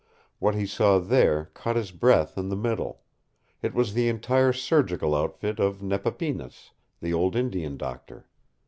What he saw there caught his breath in the middle. It was the entire surgical outfit of Nepapinas, the old Indian doctor.